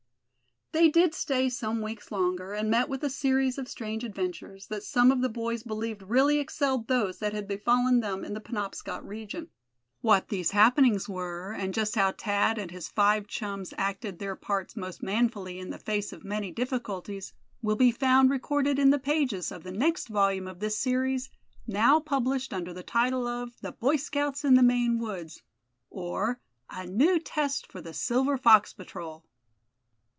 They did stay some weeks longer, and met with a series of strange adventures, that some of the boys believed really excelled those that had befallen them in the Penobscot region. What these happenings were, and just how Thad and his five chums acted their parts most manfully in the face of many difficulties will be found recorded in the pages of the next volume of this series, now published under the title of "The Boy Scouts in the Maine Woods," or "A New Test for the Silver Fox Patrol."